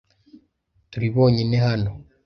Turi bonyine hano.